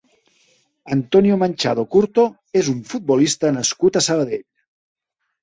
Antonio Manchado Curto és un futbolista nascut a Sabadell.